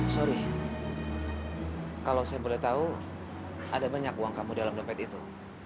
sorry kalau saya boleh tahu ada banyak uang kamu dalam dompet itu